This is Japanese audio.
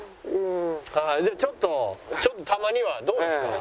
ちょっとちょっとたまにはどうですか？